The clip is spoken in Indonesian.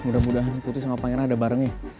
mudah mudahan putri sama pangeran ada bareng ya